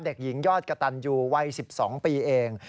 เด็กหญิงยอดกระตันยูวัย๑๒ปีเอง